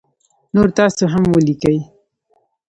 نور تاسو هم ولیکی